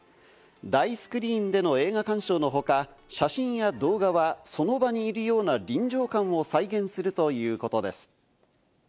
大スクリーンでの映画鑑賞の他、写真や動画はその場にいるような臨場感を再現するということです。